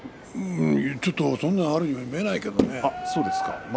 そんなにあるように見えないけどね。